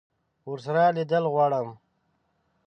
ورسره لیدل غواړم.